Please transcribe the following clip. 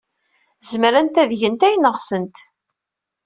Zemrent ad gent ayen ɣsent.